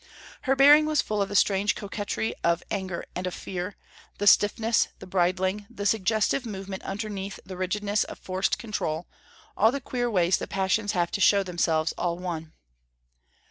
Her bearing was full of the strange coquetry of anger and of fear, the stiffness, the bridling, the suggestive movement underneath the rigidness of forced control, all the queer ways the passions have to show themselves all one.